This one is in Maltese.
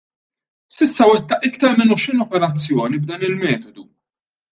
S'issa wettaq iktar minn għoxrin operazzjoni b'dan il-metodu.